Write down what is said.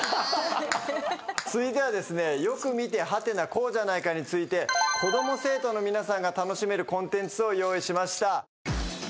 続いてはですねよく見てハテナこうじゃないか？について子供生徒の皆さんが楽しめるコンテンツを用意しました。